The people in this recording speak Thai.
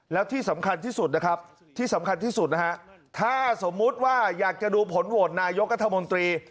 แล้วที่สำคัญที่สุดนะครับถ้าสมมติว่าอยากจะดูผลโหวดนายกรรมนตรี